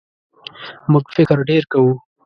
موږ فکر ډېر کوو.